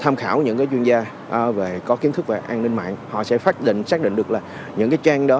tham khảo những chuyên gia về có kiến thức về an ninh mạng họ sẽ phát định xác định được là những cái trang đó